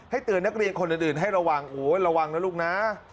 เตือนนักเรียนคนอื่นให้ระวังโอ้ยระวังนะลูกนะ